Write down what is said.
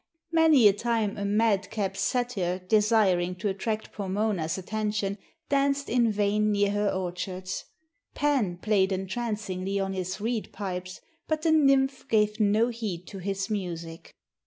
Many a time a madcap satyr desiring to attract Pomona's attention danced in vain near her orchards. Pan played entrancingly on his reed pipes, but the nymph gave no heed to his music.